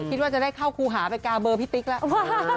คิดว่าจะได้เข้าครูหาไปกาเบอร์พี่ติ๊กแล้ว